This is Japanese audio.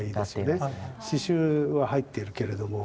刺しゅうは入っているけれども。